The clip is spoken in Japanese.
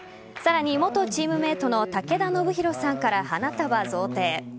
さらに元チームメイトの武田修宏さんから花束贈呈。